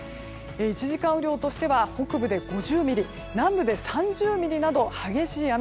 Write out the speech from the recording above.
１時間雨量としては北部で５０ミリ南部で３０ミリなど激しい雨。